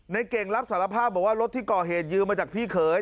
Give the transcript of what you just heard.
เก่งรับสารภาพบอกว่ารถที่ก่อเหตุยืมมาจากพี่เขย